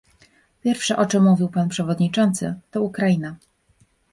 Pierwsze, o czym mówił pan przewodniczący, to Ukraina